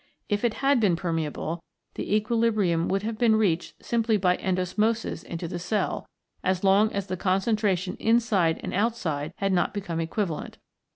If it had been permeable, the equilibrium would have been reached simply by endosmosis into the cell, as long as the concentration inside and outside had not become equivalent.